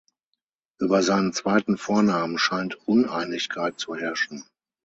Über seinen zweiten Vornamen scheint Uneinigkeit zu herrschen.